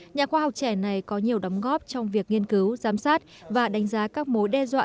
nhà khoa học trẻ này có nhiều đóng góp trong việc nghiên cứu giám sát và đánh giá các mối đe dọa